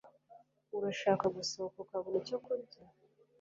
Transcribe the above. urashaka gusohoka ukabona icyo kurya